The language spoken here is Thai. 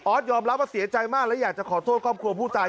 ยอมรับว่าเสียใจมากและอยากจะขอโทษครอบครัวผู้ตาย